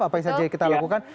apa saja yang kita lakukan